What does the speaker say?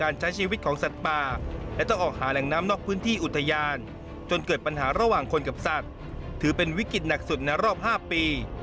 ระหว่างคนกับสัตว์ถือเป็นวิกฤตหนักสุดในรอบ๕ปี